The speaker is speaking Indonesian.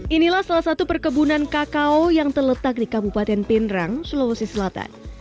inilah salah satu perkebunan kakao yang terletak di kabupaten pindrang sulawesi selatan